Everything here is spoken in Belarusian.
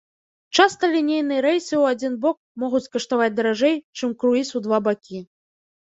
Часта лінейныя рэйсы ў адзін бок могуць каштаваць даражэй, чым круіз у два бакі.